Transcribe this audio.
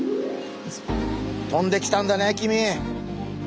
飛んできたんだね君。